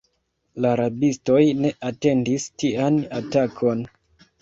La rabistoj ne atendis tian atakon.